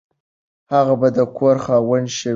هغه به د کور خاوند شوی وي.